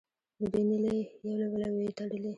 د دوی نیلې یو له بله وې تړلې.